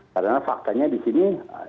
karena faktanya di sini